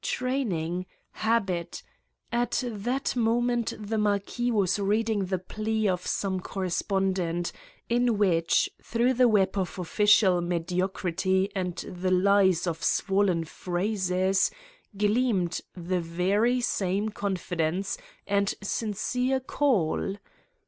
Training? Habit? At that moment the mar quis was reading the plea of some correspondent, in which, through the web of official mediocrity and the lies of swollen phrases, gleamed the very same confidence and sincere call.